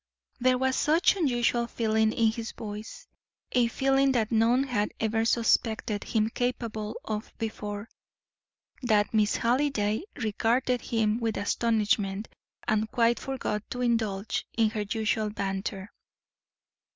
There was such unusual feeling in his voice, a feeling that none had ever suspected him capable of before, that Miss Halliday regarded him with astonishment and quite forgot to indulge in her usual banter.